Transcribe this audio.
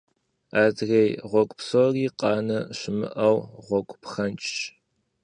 Адрей гъуэгу псори, къанэ щымыӀэу, гъуэгу пхэнжщ.